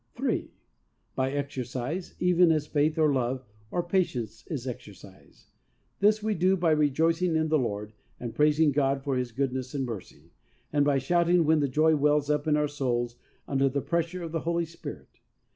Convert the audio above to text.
(3) By exercise, even as faith or love or patience is exercised. This we do by rejoic ing in the Lord, and praising God for His goodness and mercy, and by shouting when the joy wells up in our souls under the pres sure of the Holy Spirit.